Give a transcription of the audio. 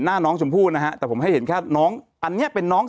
หน้าน้องชมพู่นะฮะแต่ผมให้เห็นแค่น้องอันเนี้ยเป็นน้อง